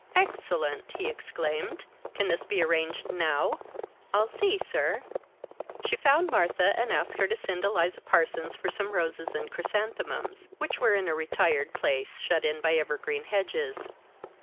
"Excellent!" he exclaimed. "Can this be arranged now?" "I'll see, sir." She found Martha and asked her to send Eliza Parsons for some roses and chrysanthemums, which were in a retired place shut in by evergreen hedges.